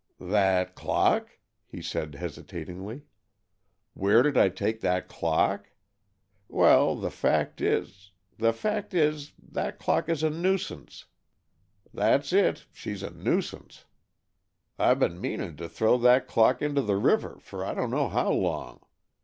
"That clock?" he said hesitatingly. "Where did I take that clock? Well, the fact is the fact is that clock is a nuisance. That's it, she's a nuisance.' I been meaning to throw that clock into the river for I don't know how long.